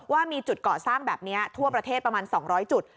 ว่ามีจุดก่อสร้างแบบนี้ทั่วประเทศประมาณ๒๐๐จุด